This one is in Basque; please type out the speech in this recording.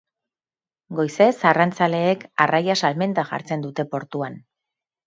Goizez arrantzaleek arraia salmentan jartzen dute portuan.